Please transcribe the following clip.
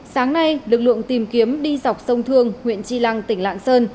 sáng nay lực lượng tìm kiếm đi dọc sông thương huyện tri lăng tỉnh lạng sơn